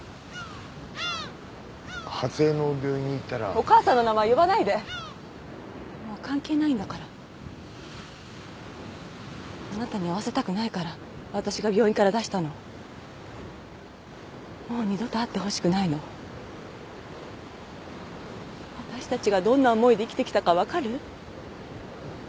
初枝の病院に行ったらお母さんの名前呼ばないでもう関係ないんだからあなたに会わせたくないから私が病院から出したのもう二度と会ってほしくないの私たちがどんな思いで生きてきたか分かる？